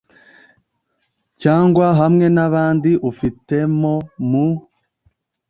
cyangwa hamwe n abandi ufitemo mu